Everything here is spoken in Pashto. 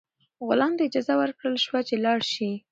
غلام ته اجازه ورکړل شوه چې لاړ شي.